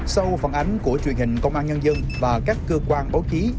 sau phần ánh của truyền hình công an nhân dân và các cơ quan báo ký